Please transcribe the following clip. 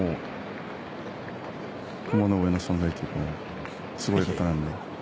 雲の上の存在というかすごい方なので。